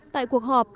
tại cuộc họp